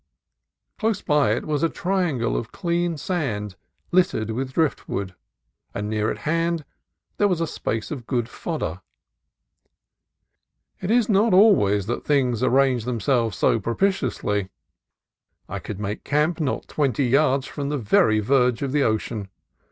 Close by it was a triangle of clean sand, littered with driftwood; and near at hand there was a space of good fodder. It is not always that things arrange themselves so propitiously: I could make camp not twenty yards from the very verge of the ocean.